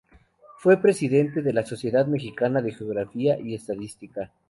Fue presidente de la Sociedad Mexicana de Geografía y Estadística.